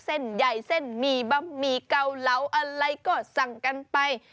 เส้นใหญ่เส้นหมี่บะหมี่เกาเหลาอะไรก็สั่งกันไป